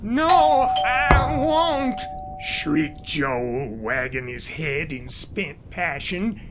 "No, I won't!" shrieked Joel, wagging his head in spent passion.